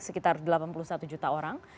sekitar delapan puluh satu juta orang